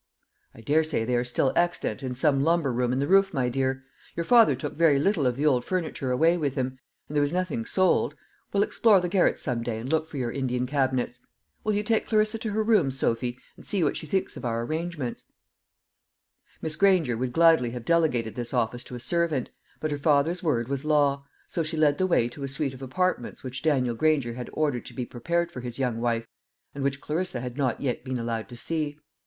"I daresay they are still extant in some lumber room in the roof, my dear. Your father took very little of the old furniture away with him, and there was nothing sold. We'll explore the garrets some day, and look for your Indian cabinets. Will you take Clarissa to her rooms, Sophy, and see what she thinks of our arrangements?" Miss Granger would gladly have delegated this office to a servant; but her father's word was law; so she led the way to a suite of apartments which Daniel Granger had ordered to be prepared for his young wife, and which Clarissa had not yet been allowed to see.